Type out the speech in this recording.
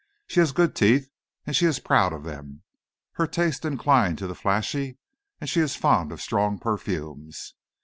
She has good teeth, and she is proud of them. Her tastes incline to the flashy, and she is fond of strong perfumes.